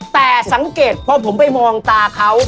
แต่สังเกตพอผมไปมองตาเขา